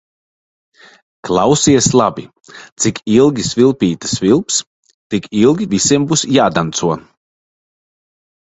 Klausies labi: cik ilgi svilpīte svilps, tik ilgi visiem būs jādanco.